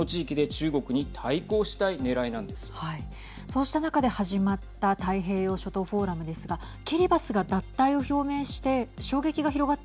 そうした中で始まった太平洋諸島フォーラムですがキリバスが脱退を表明してはい。